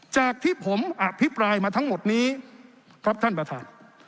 จากที่ผมอภิปรายมาทั้งหมดนี้ครับท่านประธาน